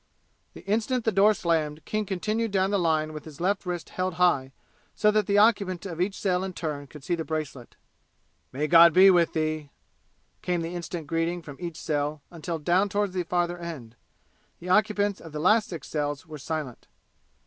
The instant the door slammed King continued down the line with his left wrist held high so that the occupant of each cell in turn could see the bracelet. "May God be with thee!" came the instant greeting from each cell until down toward the farther end. The occupants of the last six cells were silent.